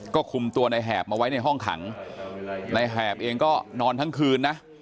ก็คุมตัวในแหบมาไว้ในห้องขังในแหบเองก็นอนทั้งคืนนะ